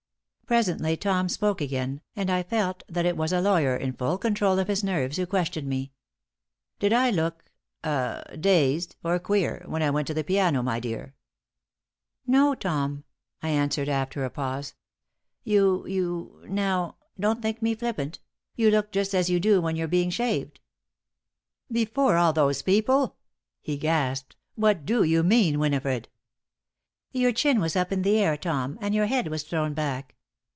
Presently Tom spoke again, and I felt that it was a lawyer, in full control of his nerves, who questioned me. "Did I look ah dazed or queer when I went to the piano, my dear?" "No, Tom," I answered, after a pause. "You you now, don't think me flippant you looked just as you do when you're being shaved." "Before all those people!" he gasped. "What do you mean, Winifred?" "Your chin was up in the air, Tom, and your head was thrown back."